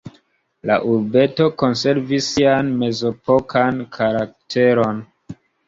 La urbeto konservis sian mezepokan karakteron.